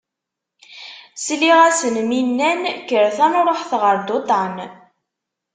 Sliɣ-asen mi nnan: Kkret aad nṛuḥet ɣer Duṭan.